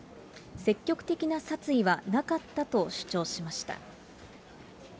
積極的な殺意はなかったと主張しました。